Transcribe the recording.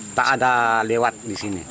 tak ada lewat di sini